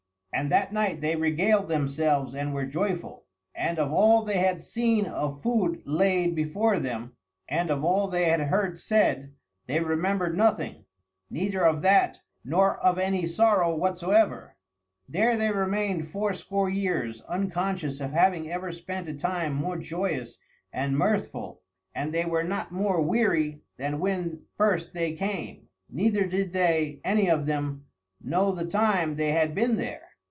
And that night they regaled themselves and were joyful. And of all they had seen of food laid before them, and of all they had heard said, they remembered nothing; neither of that, nor of any sorrow whatsoever. There they remained fourscore years, unconscious of having ever spent a time more joyous and mirthful. And they were not more weary than when first they came, neither did they, any of them, know the time they had been there.